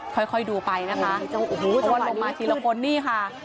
ค่อยค่อยดูไปนะคะโอ้โหจนลงมาทีละคนนี่ค่ะ